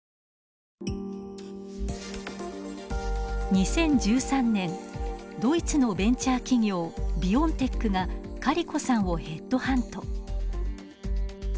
２０１３年ドイツのベンチャー企業ビオンテックがカリコさんをヘッドハント。